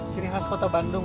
ciri khas kota bandung